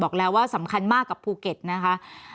บอกแล้วว่าสำคัญมากกับภูเก็ตนะคะ